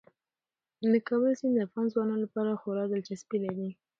د کابل سیند د افغان ځوانانو لپاره خورا دلچسپي لري.